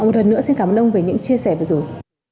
ông một lần nữa xin cảm ơn ông về những chia sẻ vừa rồi